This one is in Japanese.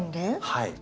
はい。